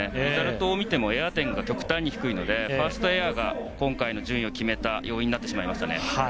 リザルトを見てもエア点が極端に低いのでファーストエアが今回の順位を決めた要因になってしまいましたね。